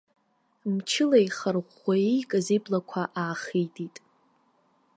Мчыла еихарӷәӷәа иикыз иблақәа аахитит.